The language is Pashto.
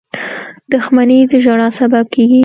• دښمني د ژړا سبب کېږي.